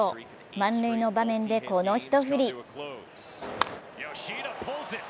満塁の場面で、この一振り。